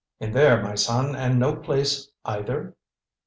"In there, my son, and no nice place either!"